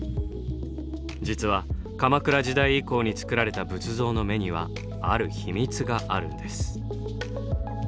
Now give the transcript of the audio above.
実は鎌倉時代以降に作られた仏像の目にはある秘密があるんです。